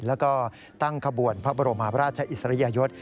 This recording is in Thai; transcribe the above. แล้วก็ตั้งขบวนพระบรมราชอิสริยยศ